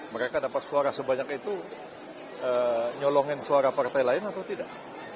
mereka dapat suara sebanyak itu nyolongin suara partai lain atau tidak